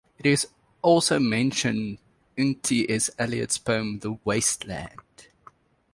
It is also mentioned in T. S. Eliot's poem "The Waste Land".